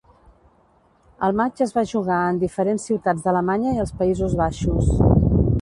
El matx es va jugar en diferents ciutats d'Alemanya i els Països Baixos.